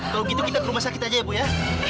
kalau gitu kita ke rumah sakit aja ya bu ya